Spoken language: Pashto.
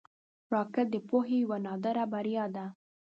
راکټ د پوهې یوه نادره بریا ده